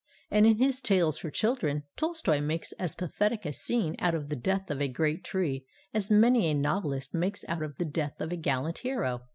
And, in his Tales for Children, Tolstoy makes as pathetic a scene out of the death of a great tree as many a novelist makes out of the death of a gallant hero.